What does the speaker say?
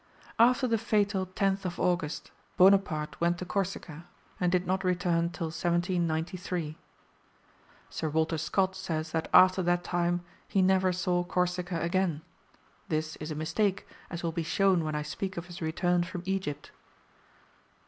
After the fatal 10th of August Bonaparte went to Corsica, and did not return till 1793. Sir Walter Scott says that after that time he never saw Corsica again. This is a mistake, as will be shown when I speak of his return from Egypt.